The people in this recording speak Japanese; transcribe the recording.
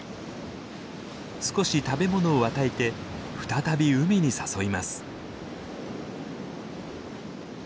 少し食べ物を与えて再び海に誘います。